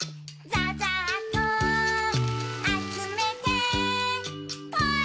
「ざざっとあつめてポイ」